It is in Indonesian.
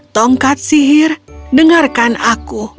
tongkat sihir dengarkan aku